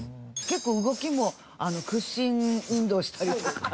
結構動きも屈伸運動したりとか。